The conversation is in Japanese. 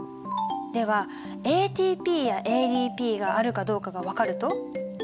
ではＡＴＰやＡＤＰがあるかどうかが分かると？